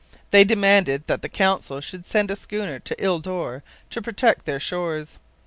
They demanded that the Council should send a schooner to Ile Dore to protect their shores.